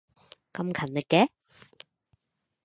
咁勤力嘅